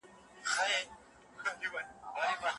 که ته په املا کي هره ورځ یو نوی توری زده کړې.